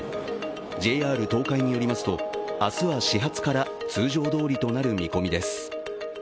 ＪＲ東海によりますと、明日は始発から通常どおりとなる見込みです。